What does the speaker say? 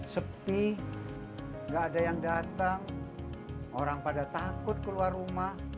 sepi gak ada yang datang orang pada takut keluar rumah